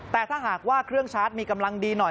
แต่ถ้าหากว่าเครื่องชาร์จมีกำลังดีหน่อย